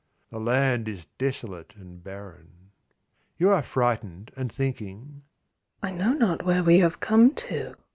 The land is desolate and barren. You are frightened and thinking "I know not where we have come to."